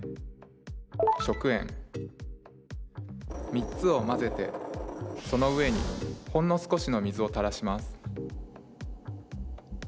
３つを混ぜてその上にほんの少しの水をたらします。